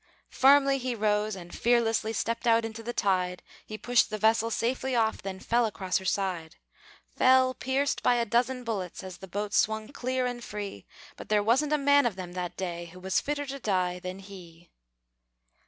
Firmly he rose, and fearlessly Stepped out into the tide; He pushed the vessel safely off, Then fell across her side: Fell, pierced by a dozen bullets, As the boat swung clear and free; But there wasn't a man of them that day Who was fitter to die than he!